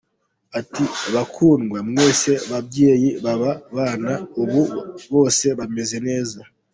Ati "Bakundwa mwese babyeyi b’aba bana, ubu bose bameze neza.